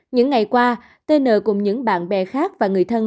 những ngày qua tn cùng những bạn bè khác và người thân